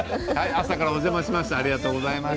朝からお邪魔しました。